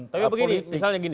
tapi begini misalnya begini